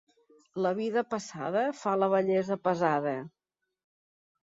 La vida passada fa la vellesa pesada.